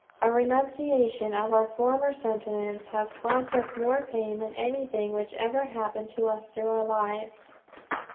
"A renunciation of our former sentiments has caused us more pain than anything which ever happened to us through our lives."